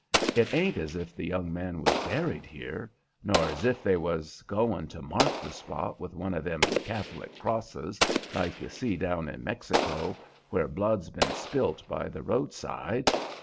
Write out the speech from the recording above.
It ain't as if the young man was buried here, nor as if they was goin' to mark the spot with one of them Catholic crosses like you see down in Mexico, where blood's been spilt by the roadside.